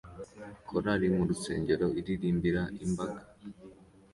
Korali mu rusengero iririmbira imbaga